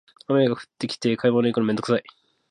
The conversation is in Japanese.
雨が降ってきて買い物行くのめんどくさい